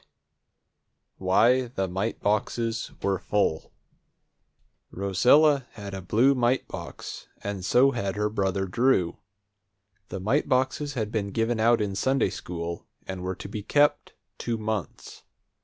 _ WHY THE MITE BOXES WERE FULL Rosella had a blue mite box, and so had her brother Drew. The mite boxes had been given out in Sunday school, and were to be kept two months.